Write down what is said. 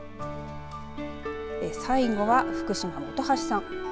最後は福島の本橋さん。